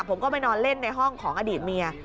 ผมก็ไปนอนเล่นในห้องของอดีตเมีย